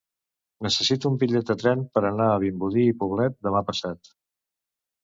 Necessito un bitllet de tren per anar a Vimbodí i Poblet demà passat.